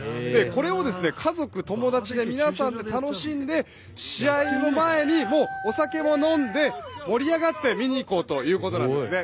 これを家族、友達皆さんで楽しんで試合の前にもうお酒を飲んで盛り上がって見に行こうということなんですね。